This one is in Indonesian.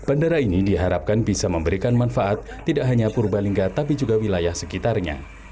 bandara ini diharapkan bisa memberikan manfaat tidak hanya purbalingga tapi juga wilayah sekitarnya